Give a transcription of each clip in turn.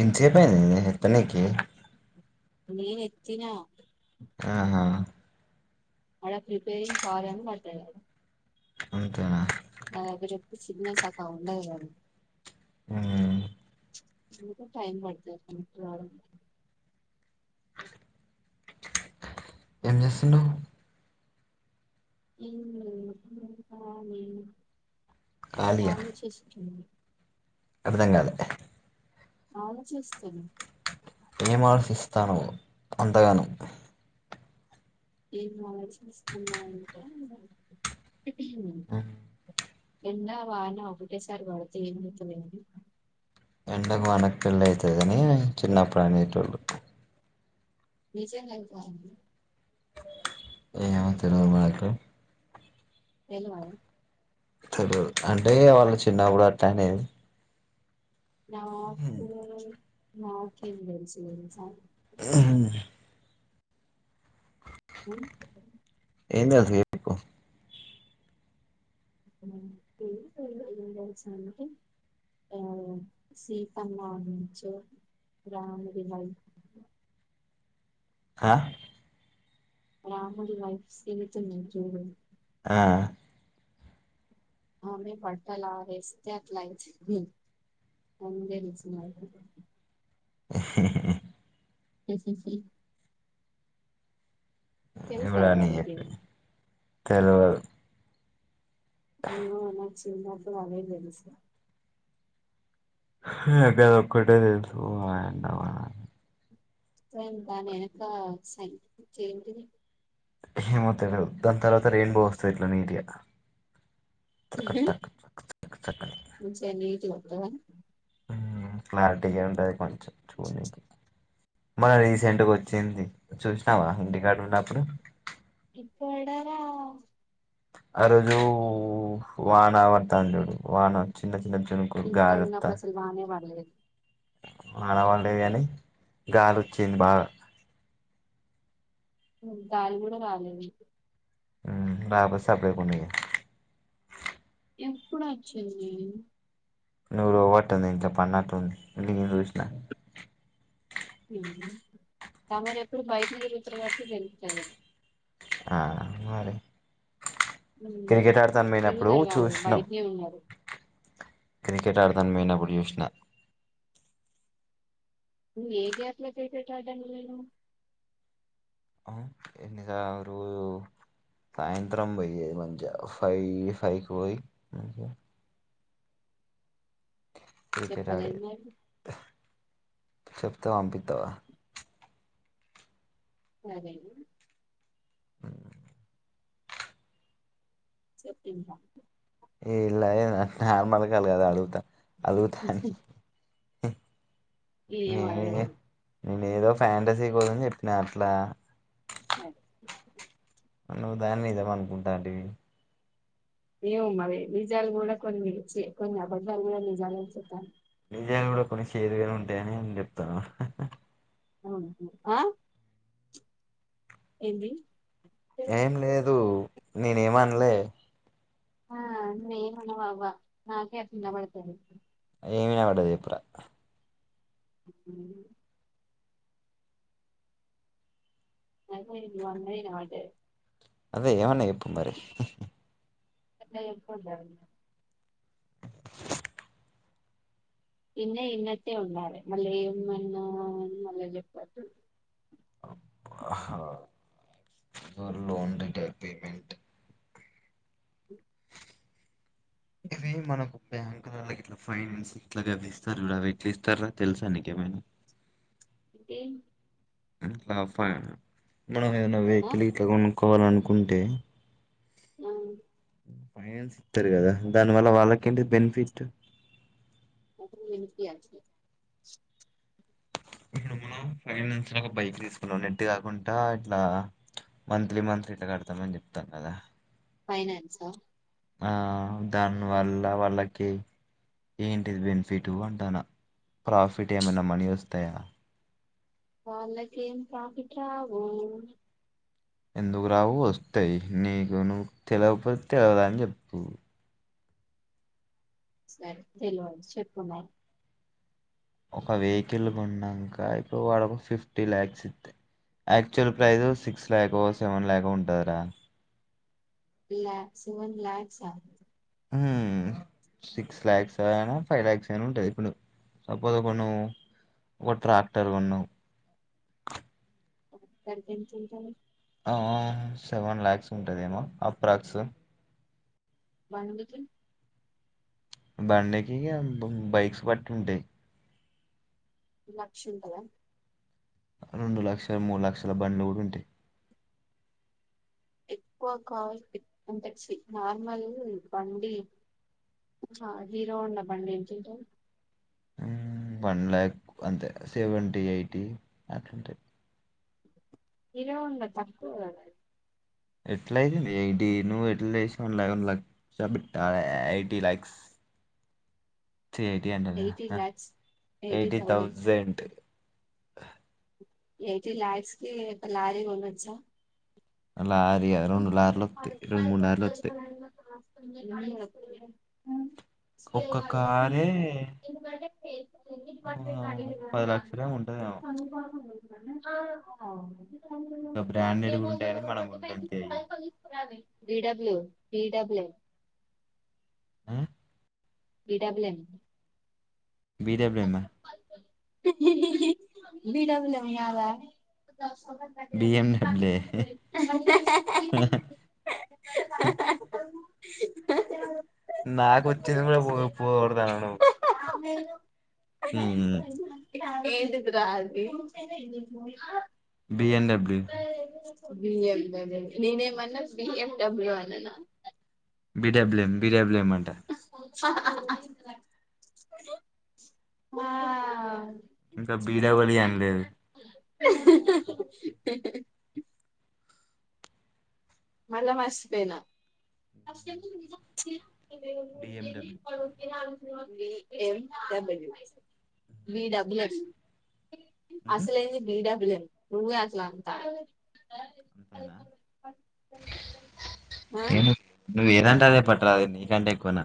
ఎంచేపైంది మి ఎత్తనీకి నేనెత్తినా ఆహా ఆడ preparing call అని పడ్డదాడ అంతేనా ఆ ఇక చెప్పు సిగ్నల్ సక్క ఉండ [inaudible] మ్మ్ ఇంకా టైం పడుత [unintelligible] ఎం చేస్తున్నావ్ ఏం లేదు [unintelligible] ఖాళీయా వాళ్ళే చేస్తుంది అర్థం కాలే అవును చేస్తున్ ఏం ఆలోసిస్తానావ్ అంతగానం ఏం ఆలోచిస్తున్నా ఆంటే [inaudible] ఎండ వాన ఒకటే సారి బడుతే ఏం [inaudible] ఎండకు వానకు పెళ్ళైతదని చిన్నప్పుడనేటోళ్ళు నిజం గన్ పాయింది ఏమో తెలవదు నాకు ఏలువాయ తడు అంటే వాళ్ళు చిన్నప్పుడు అట్టనేది నాకు నాకేం తెలుసు తెలుసా అ చెప్ప [unintelligible] కు [unintelligible] సీతమ్మ రామిడి [unintelligible] ఆహ్ రాముడి వైఫ్ సీతునింద్ జూడు ఆ అమె బట్టలారేస్తే ఆట్లై [unintelligible] అని తెలుసు [unintelligible] ఎస్ ఎస్ సి తెలుసా [unintelligible] మీకిది తెలువదు [unintelligible] నాకి అవే తెలుసు అదోక్కటే తెలుసు దాని వెనక సైన్స్ ఏంటిది ఏమో తెలిదు దాని తర్వాత రెయిన్బో వస్తది ఇట్లా నీట్ గా తకక్ చెక్క చెక్క ఉంచి నీట్ గా వత్తద ఉ క్లారిటీగా అంట కొంచెం చూడి మనం రీసెంట్గా వచ్చింది చూసినావా ఇంటికాడ ఉన్నప్పుడు ఇప్పుడా ఆ రోజు వాన పడతాంది చూడు వాన చిన్న చిన్న చినుకులు ఇక్కడ ఉన్నప్పుడు అసలు వాన పడనే లేదు ఆడవాళ్ళేవి అని గాలి వచ్చింది బాగా ఉ గాలి కూడా రాలేదు ఉ బస్ సపడే కొనేగా ఎప్పుడు వచ్చింది నువ్వు ర్వట్టుంది ఇంట్లో పడినట్టుంది ఇంటి నేను చూసిన తమరు ఎప్పుడు బయటనే తిరుగుతారు కాబట్టి తెలుత్తది ఆ మరి ఉ క్రికెట్ ఆడతాను పోయినప్పుడు తిగుసారు కాదు చూసినాం బయటనే ఉన్నారు క్రికెట్ ఆడతాన్ పోయినప్పుడు చూస్న త ఏ గలా ఆడటానికి పోయినావు ఆ ఎన్నితరు సాయంత్రం పోయ మంచి ఫైవ్ ఫైవ్కి పోయి క్రికెట్ చెప్పలేదు ఆడేది మరి చెప్తే పంపిత్తావా సరేలే చెప్పు ఇంకా ఏ ఇలా నార్మల్ కాల్ కదా అడుగుతా అలు ధనీ ఏ వాళ్ళ నేను ఏదో ఫ్యాంటసీ పోదని చెప్పినా అట్లా సరే అ నువ్వు దాన్ని నిజమనుకుంటాంటివి ఏం అవే నిజాలు కూడా కొన్ని కొన్ని అబద్ధాలు కూడా నిజాలు చతాను నిజాలు కూడా కొన్ని చేదుగానే ఉంటాయని నేను చెప్తాను అవును ఆ ఏంది ఏం లేదు నేను ఏం ఆనలే నువ్వు ఏం అనావ్ అవ్వ నాకే అట్లా వినబడతాది ఏం వినబడ్డాది చెప్పురా ఉ నాకె నువ్వు అన్నది. వినబడ్డది అదే ఏమన్నా చేప్పు మరి గట్ల చెప్పద్దు అగు ఇగ ఇన్నయి ఇన్నట్టే ఉండాలే మళ్ళ ఏమన్నవ్ మళ్ళ చెప్పద్దు అబ్బా లోన్ డిటెక్ట్ పేమెంట్ ఇవి మనకు బ్యాంకులల్ల గిట్ల ఫైనాన్స్ ఇట్లా గావి ఇస్తారు. చూడు అవి ఏట్లా ఇస్తారా తెలుసా నీకు ఏమైనా ఇకేం ఇంట్ల ఫై మనం ఏదన్న ఆ వెకిల్ గిట్ల కొను కోవాలనుకుంటే ఆ ఫైనాన్స్ ఇస్తారు. గాదా దానివల్ల వాళ్ళకు ఏంటిది. బెనిఫిట్ అవసరం [unintelligible] ఇగా మనం ఫైనాన్స్ లో ఒక బైక్ తీసుకున్నాం. నెట్ కాకుండా ఇట్లా మంత్లీ మంత్లీ ఇట్లా కడతామని చెప్తాము. గాదా ఫైనాన్సా ఆ దానివల్ల వాళ్ళకి ఏంటిది బెనిఫిట్ అంటాన్న ప్రాఫిట్ ఏమైనా మనీ వొస్తాయా వాళ్ళకి ఏం ప్రాఫిట్ రావు ఎందుకు రావు వస్తాయి. నీకు నువ్వు తెలవకపోతే తెలవదాని జేప్పు సరే తెలివది చెప్పు మరి ఒక వెకిల్ కొన్నాంక ఇప్పుడు వాడ ఒక ఫిఫ్టీ ల్యాక్స్ ఇత్తే యాక్చువల్ ప్రైస్ సిక్స్ ల్యాకో సెవెన్ ల్యాకో ఉంటదిరా ల్యాక్స్ వన్ ల్యాక్స్ హ్ సిక్స్ అయినా ఫైవ్ లక్స్ అయినా ఉంటది ఇప్పుడు సపోజ్ ఒక నువ్వు ఒక ట్రాక్టర్ కొన్నావు. గంత ఎందుకుంటది సెవెన్ ల్యాక్స్ ఉంటది. ఏమో అప్రాక్స్ బండికీ బండికి బైక్స్ బట్టి ఉంటాయి. లక్ష ఉంటద రెండు లక్షలు మూడు లక్షల బండ్లు కూడా ఉంటాయి. ఎక్కువ కార్ ఏ ఉంటయి. సి నార్మల్ బండి హీరో హోండా బండి ఏంత ఉంటది. హ్ వన్ లాక్ అంతే సెవెంటీ ఎయిటీ అట్లా ఉంటాయి. హీరో హోండా తక్కువ గాదా ఎట్లా అయితెంది. ఎయిటీ నువ్వు ఎట్లాసిన [unintelligible] ఎయిటీ లాక్స్ తీ ఎయిటీ అంటె ఎయిటీ నా lakhs eighty thousand eighty lakhs కి ఒక లారీ కొనచ్చా లారీ యా రెండు లారీలు వోత్తయి. రెండు మూడులార్లు వోత్తయి. ఒక్క కారే ఎట్ ఆ పట్ ఒక పది అడిగింటా లక్షలేమో ఉంటదేమో అ మంట గా బ్రాండేడ్ కూడా ఉంటాయని మనం కొనలే అంతే అది ఒకలు తీసుకోరాదే డి డబ్లు్ నీ డబ్బులే ఆ నీ డబ్బులు ఎన బి డబ్ల్యూ ఎమ్ ఆ బి డబ్ల్ ఎమ్ కదా బిఎండబ్ల్యూ అ నాకొచ్చింది కూడా పో పోగొడ్తనావ్ నువు పోయిన ఎన్ ఫైవ్ నా ఏంటిది రా అది బిఎమ్ డబ్ల్యు బిఎమ్ డబ్ల్యూ నేనేమన్నా బిఎమ్ డబ్లు అన్ననా B W M B W M అంటా ఆ ఇంకా బీడబల్ ఇ అన్లెదు మళ్ళ మసిపెన [unintelligible] బిఎండబ్ల్యూ వాడు ఉత్తిగనే అడు బి ఎమ్ డబ్ల్యూ బిడబ్ల్యూఎచ్ అసలైంది బిడబ్ల్యూ ఎమ్ నువ్వే అసలు అంత అంతేనా తాయి తిను నువ్ ఏదంటె అదే పట్రాదు నీ కంటే ఏక్ కోన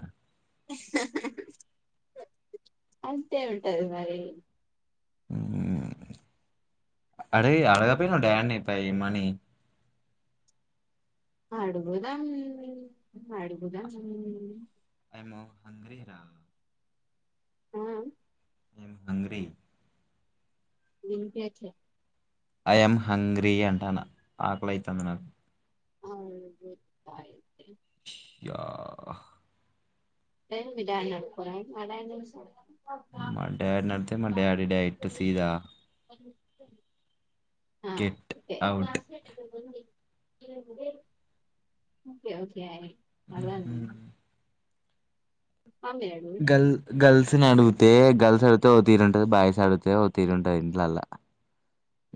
అంతే ఉంటది మరి అరేయ్ అడగాపెనవ్ డాన్ని పై మనీ ఆడుగుధాం ఆడుగుధాం ఏమో హంగ్రీ రా ఆఆ మేము హంగ్రి వినిపియట్లే ఐఎమ్ హంగ్రీ అంటానా ఆకలైతంది నాకు అ అలాగే య తే మీ డాన్ని ఆడుక్కోరాదు మా డాన్ని ఎందుకు మా డాడీ అడిగితే మా డాడీ డైట్ సీదా [inaudible] ఆ గెట్ ఒకే అవుట్ క్లాస్ మీట్ ఇడా ఉంది ఓకే ఓకే అలానే నా గల్ గల్స్ ని అడిగితే గర్ల్స్ అడిగితే ఓ తీరు ఉంటది బాయ్స్ అడిగితే ఓ తీరు ఉంటది ఇండ్లాల్లా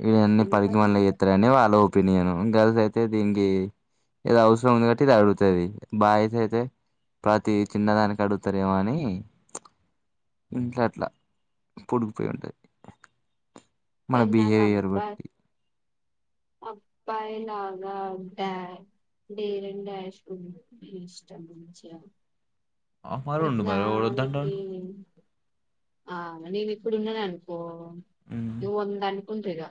ఇవన్నీ ఎందుకు పనికిమలిన కానీ చెత్తారని వాళ్ళు ఒపీనియన్ గర్ల్స్ అయితే దీనికి ఏదో అవసరం ఉంది కాట్టి ఇది అడుగుతుంది బాయ్స్ అయితే ప్రతి చిన్నదానికి అడుగుతారేమో అని ఇంట్లో అట్లా పొడిగిపోయి ఉంటుంది మన నాకా బిహేవియర్ [unintelligible] బట్టి అబ్బాయిలాగా డేరెన్ డాష్ గా ఉండడం ఇష్టం మంచిగా ఆ మరి ఉండు ప్రజలా మరి అనేకి ఎవడొద్దంటాడు ఆ నేను ఇప్పుడు ఉన్నాను అనుకో ను వంద అంట అంతేగా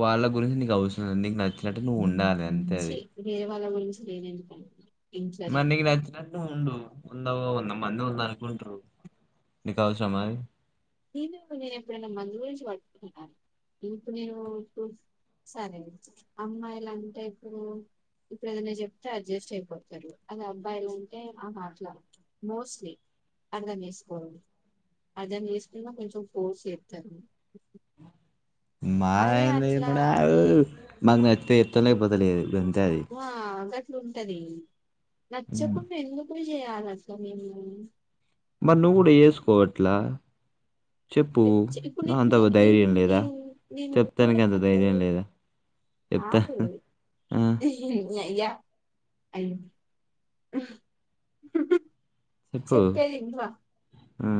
వాళ్ళ గురించి నీకు అవసరం లేదు నీకు నచ్చింది న్నట్టు నువ్వు ఉండాలి అంతే ఛీ అది వేరే వాళ్ళ గురించి నేను ఎందుకు అనుకుంటా మరీ నీకు నచ్చినట్టు ఉండు ఉందా వంద మంది వంద అనుకుంటారు నీకు అవసరమా నేను నేను ఎప్పుడైనా మంది గురించి పటుకున్నాను ఇప్పుడు నేను ఇప్పుడు సరే అమ్మాయిలు అంటే ఇప్పుడు ఇప్పుడు ఏదనా చెప్తే అడ్జస్ట్ అయిపోతారు అద అబ్బాయిలు అంటే ఆ మాటలా మోస్ట్లీ అర్థం చేసుకోరు అర్థం చేసుకో అ కొంచెం ఫోర్స్ ఏ చెత్తారా మాయ [unintelligible] నాకు నచ్చితే చెత్తా లేకపోతే లేదు గన్ వవ్ గా ఉంటది నచ్చకుండా ఎందుకు చేయాలా అట్లా మేము కానీ మరి నువ్వు కూడా వేసుకో ఆట్లా చి ఇప్పుడు నేను అట్లా నేను ధైర్యం లేదా నేను నేను చెప్తానికి అంత ధైర్యం లేదా చెప్తా కాదు ఆ నీ అయ్యా అయ్య చెప్పు చెప్తే ది వినవా ఆ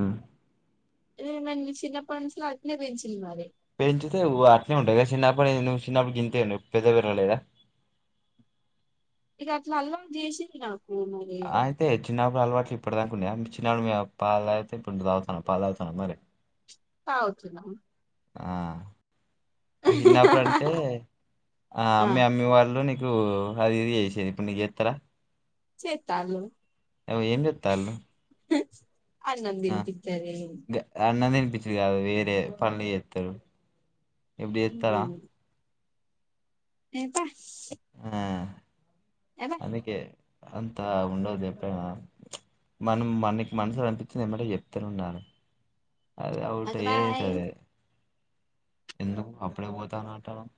ఊ నన్ను చిన్నప్పటి నుంచి అట్లే పెంచిండ్రు మరి పెంచితే అట్లే ఉంటాయి కదా చిన్నప్పుడు నువ్వు చిన్నప్పుడు గింతే ఉండే ఇప్పుడు పెద్ద పెరగ లేదా ఇగ అట్లా అల్లం చేసింది నాక్ ఆయితే చిన్నప్పుడు అల్వాట్ ఇప్పుడుదాకున్యాయమిచినోడు [unintelligible] పాల్ దాగితే ఇప్పుడు నూ దాగుతున్నావ్ పాలు తాగుతున్నావా మరి తాగుతున్న ఆ చిన్నప్పుడు అంటే ఆ అమ్మి అమ్మి వాళ్ళు నీక్ కు అది ఇది చేసింది ఇప్పుడు నీకు చేత్తర చేత్తాన్లు అవో ఏం చేత్తాన్లు అన్నం దిన్పిత్తది పిచుడు కాదు వేరే పనులు జేత్తరు ఇప్పుడు జేత్తరా ఏ పా ఆ! అందుకే అంతా ఉండదు ఎప్పుడైనా మనం మనకి మనుసులో అనిపించింది ఎంబటే చెప్తనే ఉండాలి అదే ఒక ఔటయే బాయ్. అయితది ఎందుకు అప్పుడే పోతాన అంటన్నావ్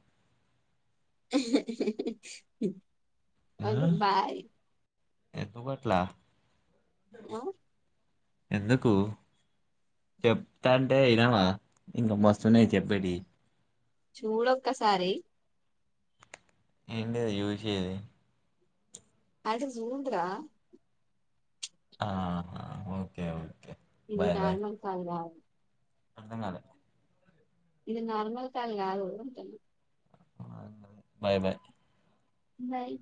[unintelligible] బాయ్ ఎందుకట్ల వా ఎందుకు చెప్తంటే ఇనవా ఇంక మస్తున్నాయి చెప్పేటి చూడొక్కసారి ఏంటిది జూశేది ఆడ జూమ్డ్ రా ఆ ఓకే ఓ ఇది నార్మల్ కాల్ కాదు అర్ధం కాలే ఇది నార్మల్ కాల్ కాదు అంటాన్నా [inaudible] బాయ్ బాయ్ బాయ్